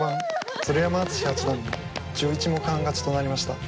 鶴山淳志八段の１１目半勝ちとなりました。